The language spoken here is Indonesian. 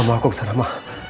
mama aku kesana mbak